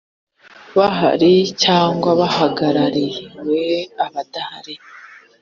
bahari cyangwa bahagarariwe abadahari